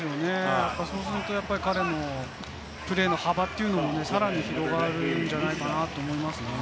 そうすると彼のプレーの幅もさらに広がるんじゃないかなって思いますね。